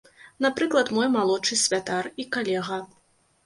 Напрыклад, мой малодшы святар і калега.